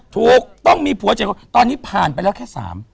ถูกต้องมีผัว๗คนตอนนี้ผ่านไปแล้วแค่๓